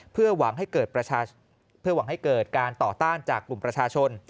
เพื่อหวังให้เกิดการต่อต้านจากกลุ่มประชาชน